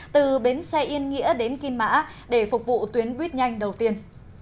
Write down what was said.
từ bến xe yên nghĩa đến kim mã để phục vụ tuyến buýt nhanh đầu tiên